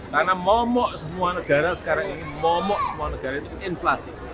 karena momok semua negara sekarang ini momok semua negara itu inflasi